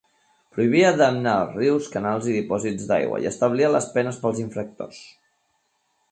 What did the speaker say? Prohibia damnar els rius, canals i dipòsits d'aigua i establia les penes pels infractors.